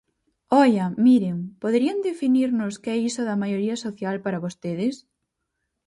¡Oia!, miren, ¿poderían definirnos que é iso da maioría social para vostedes?